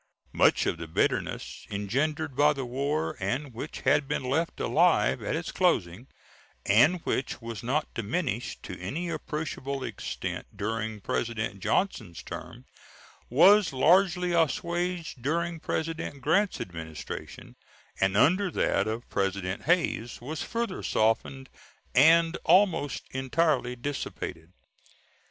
Much of the bitterness engendered by the war, and which had been left alive at its closing, and which was not diminished to any appreciable extent during President Johnson's term, was largely assuaged during President Grant's Administration, and under that of President Hayes was further softened and almost entirely dissipated.